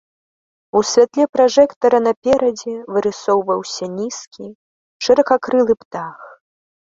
У святле пражэктара наперадзе вырысоўваўся нізкі, шыракакрылы птах.